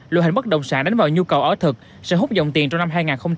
luật hành bất động sản đánh vào nhu cầu ở thực sẽ hút dòng tiền trong năm hai nghìn hai mươi ba